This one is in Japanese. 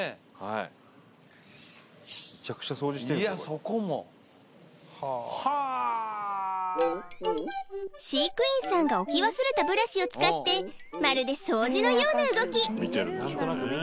いやそこもはあはあ飼育員さんが置き忘れたブラシを使ってまるで掃除のような動き！